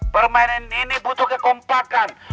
permainan ini butuh kekompakan